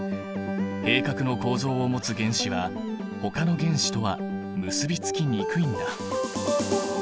閉殻の構造を持つ原子はほかの原子とは結びつきにくいんだ。